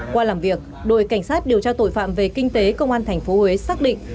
qua làm việc đội cảnh sát điều tra tội phạm về kinh tế công an tp huế xác định